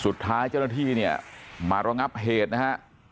สุดท้ายเจ้าหน้าที่เนี่ยมาระงับเหตุนะฮะ